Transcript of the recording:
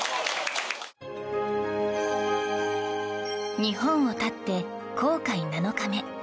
日本を発って航海７日目。